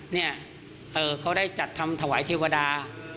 เนี่ยเขาได้จัดทำถวายเทวดา